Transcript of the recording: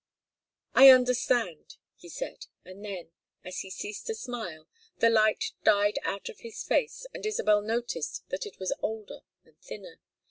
"I understand," he said; and then, as he ceased to smile, the light died out of his face, and Isabel noticed that it was older and thinner.